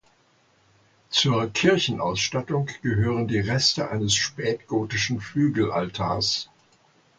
Zur Kirchenausstattung gehören die Reste eines spätgotischen Flügelaltars.